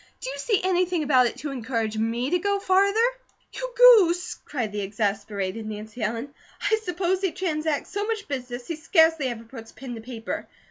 "Do you see anything about it to ENCOURAGE me to go farther?" "You Goose!" cried the exasperated Nancy Ellen. "I suppose he transacts so much business he scarcely ever puts pen to paper.